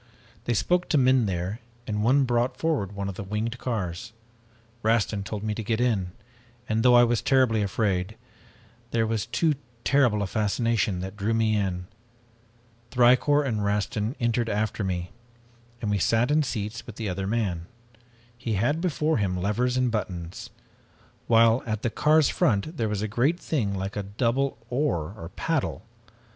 They spoke to men there and one brought forward one of the winged cars. Rastin told me to get in, and though I was terribly afraid, there was too terrible a fascination that drew me in. Thicourt and Rastin entered after me, and we sat in seats with the other man. He had before him levers and buttons, while at the car's front was a great thing like a double oar or paddle.